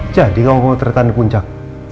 jadi kamu mau teritahan di puncak